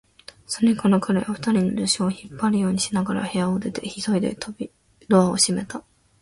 それから彼は、二人の助手を引っ張るようにしながら部屋から出て、急いでドアを閉めた。